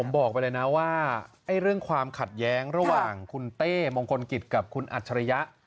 บอกไปเลยนะว่าเรื่องความขัดแย้งระหว่างคุณเต้มงคลกิจกับคุณอัจฉริยะ